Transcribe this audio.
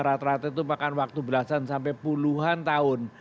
rata rata itu makan waktu belasan sampai puluhan tahun